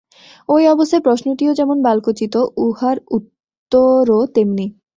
ঐ অবস্থায় প্রশ্নটিও যেমন বালকোচিত, উহার উত্তরও তেমনি।